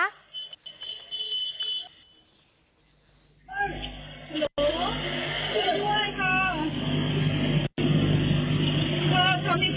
ฮัลโหลช่วยด้วยค่ะ